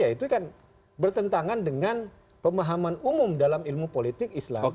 ya itu kan bertentangan dengan pemahaman umum dalam ilmu politik islam